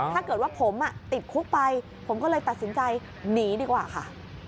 ถ้าเกิดว่าผมติดคุกไปผมก็เลยตัดสินใจหนีดีกว่าค่ะ